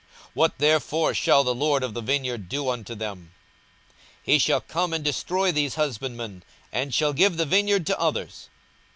What therefore shall the lord of the vineyard do unto them? 42:020:016 He shall come and destroy these husbandmen, and shall give the vineyard to others.